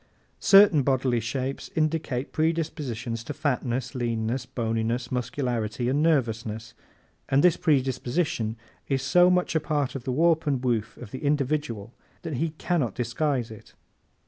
Certain bodily shapes indicate predispositions to fatness, leanness, boniness, muscularity and nervousness, and this predisposition is so much a part of the warp and woof of the individual that he can not disguise it.